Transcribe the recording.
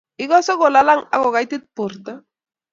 igase kolalang ak kogaitit borto